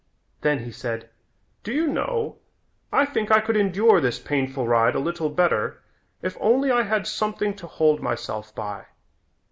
Then he said, "Do you know, I think I could endure this painful ride a little better if only I had something to hold myself by?